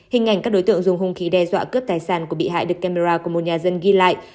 hình ảnh các đối tượng dùng hung khí đe dọa cướp tài sản của bị hại được camera của một nhà dân ghi lại